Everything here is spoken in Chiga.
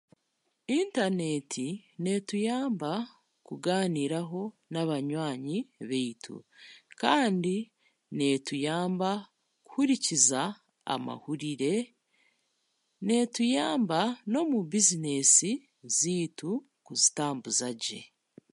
Intaneeti n'etuyamba kugaaniiraho n'abanywanyi baitu kandi n'etuyamba kuhurikiza amahurire n'etuyamba n'omu bizineesi zaitu kuzitambuuza gye.